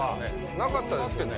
なかったですよね。